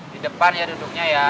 di depan ya duduknya ya